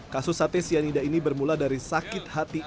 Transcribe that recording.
kasus sate cyanida ini bermula dari sakit hati